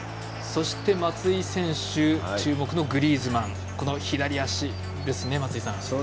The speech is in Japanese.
そして松井選手注目のグリーズマン、左足ですね。